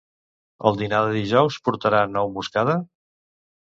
El dinar de dijous portarà nou moscada?